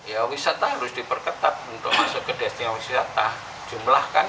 ya wisata harus diperketat untuk masuk ke desting wisata